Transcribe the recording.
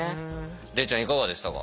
礼ちゃんいかがでしたか？